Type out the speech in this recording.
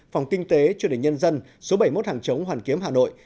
phòng kinh tế truyền hình nhân dân số bảy mươi một hàng chống hoàn kiếm hà nội